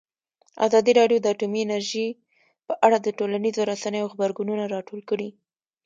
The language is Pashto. ازادي راډیو د اټومي انرژي په اړه د ټولنیزو رسنیو غبرګونونه راټول کړي.